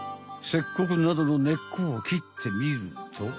セッコクなどの根っこをきってみると。